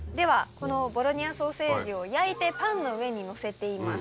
このボロニアソーセージを焼いてパンの上にのせています。